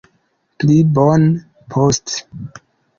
Pli bone poste